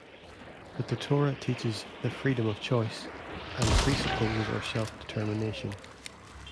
But the Torah teaches the freedom of choice and presupposes our self-determination.